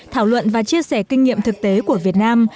thảo luận và chia sẻ kinh nghiệm thực tế của việt nam